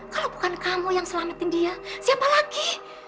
kalau bukan kamu yang selamatin dia siapa lagi